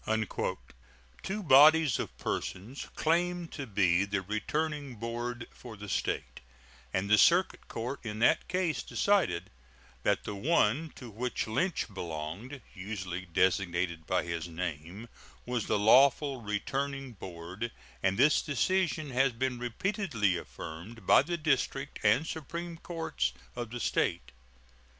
Two bodies of persons claimed to be the returning board for the State, and the circuit court in that case decided that the one to which Lynch belonged, usually designated by his name, was the lawful returning board; and this decision has been repeatedly affirmed by the district and supreme courts of the State.